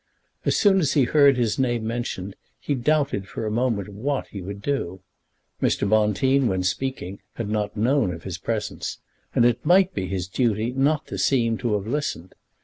As soon as he heard his name mentioned, he doubted for a moment what he would do. Mr. Bonteen when speaking had not known of his presence, and it might be his duty not to seem to have listened.